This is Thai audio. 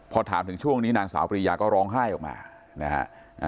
พอถามถึงช่วงนี้นางสาวปริยาก็ร้องไห้ออกมานะฮะ